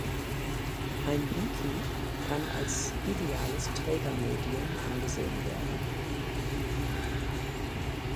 Ein Wiki kann als ideales Trägermedium angesehen werden.